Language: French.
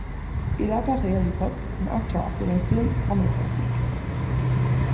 Il apparaît à l'époque comme acteur dans des films pornographiques.